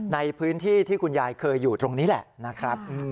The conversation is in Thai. ในพื้นที่ที่คุณยายเคยอยู่ตรงนี้แหละนะครับ